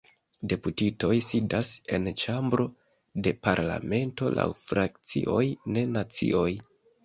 Deputitoj sidas en ĉambro de parlamento laŭ frakcioj, ne nacioj.